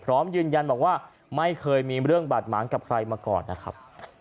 พร้อมยืนยันบอกว่าไม่เคยมีเรื่องบาดหมางกับใครมาก่อนนะครับ